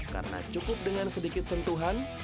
karena cukup dengan sedikit sentuhan